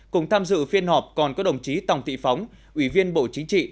cùng tham dự phiên họp còn có đồng chí tòng thị phóng ủy viên bộ chính trị